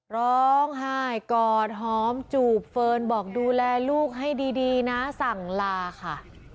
ร้องไห้กอดหอมจูบเฟิร์นบอกดูแลลูกให้ดีนะสั่งลาค่ะ